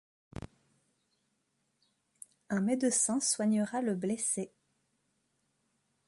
Un médecin soignera le blessé.